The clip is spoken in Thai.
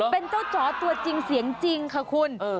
เป็นเจ้าจ๋อตัวจริงเสียงจริงค่ะคุณ